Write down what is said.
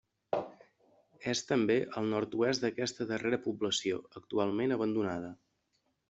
És també al nord-oest d'aquesta darrera població, actualment abandonada.